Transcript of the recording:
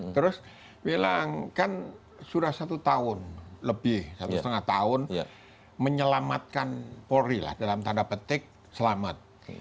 terus bilang kan sudah satu tahun lebih satu setengah tahun menyelamatkan polri lah dalam tanda petik selamat